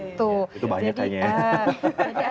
itu banyak kayaknya ya